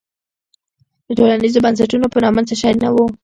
د ټولنیزو بنسټونو په نامه څه شی نه وو.